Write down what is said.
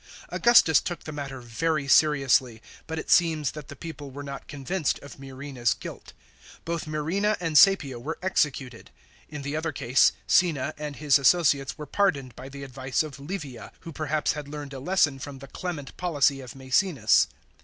Augustus took the matter very seriously, but it seems that the people were not convinced of Murena's guilt. Both Murena and Csepio were executed. In the other case, Cinna and his associates were pardoned by the advice oi Livia, who perhaps had learned a lesson from the clement policy oi Maecenas.